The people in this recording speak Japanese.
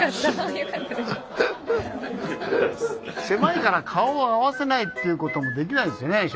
狭いから顔を合わせないっていうこともできないですよね。